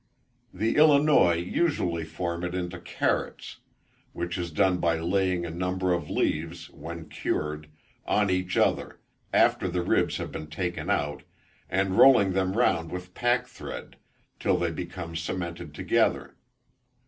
The Illinois usually form it into carots, which is done by laying a number of leaves, when cured, on each other, after the ribs have been taken out, and rolling them round with packthread, till they become cemented together.